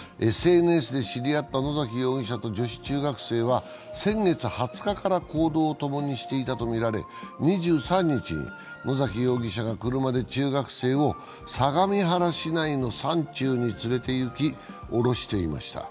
ＳＮＳで知り合った野崎容疑者と女子中学生は先月２０日から行動を共にしていたとみられ２３日に野崎容疑者が車で中学生を相模原市内の山中連れていき降ろしていました。